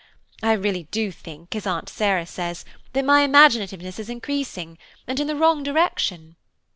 I really do think, as Aunt Sarah says, that my imaginativeness is increasing, and in the wrong direction.